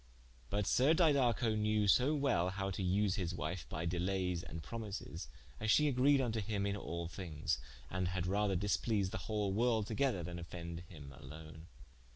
But sir Didaco knewe so well howe to vse his wife by delaies and promises, as she agreed vnto him in all thinges, and had rather displease the whole world together then offende him alone.